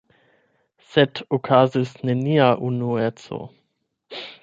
Sed okazis nenia unueco.